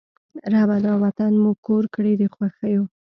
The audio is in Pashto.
ربه! دا وطن مو کور کړې د خوښیو